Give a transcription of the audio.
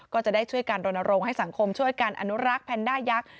ก็จะได้ช่วยการรณรงค์ให้สังคมช่วยกันอนุรักษ์แพนด้ายักษ์